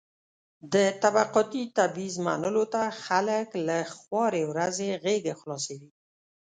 د طبقاتي تبعيض منلو ته خلک له خوارې ورځې غېږه خلاصوي.